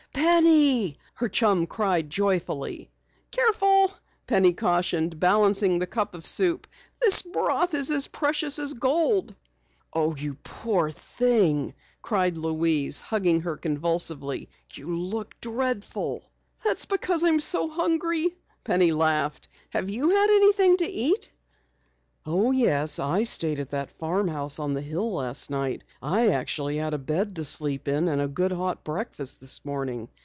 Penny!" her chum cried joyfully. "Careful," Penny cautioned, balancing the cup of soup. "This broth is as precious as gold." "Oh, you poor thing!" cried Louise, hugging her convulsively. "You look dreadful." "That's because I'm so hungry," Penny laughed. "Have you had anything to eat?" "Oh, yes, I stayed at that farmhouse on the hill last night. I actually had a bed to sleep in and a good hot breakfast this morning.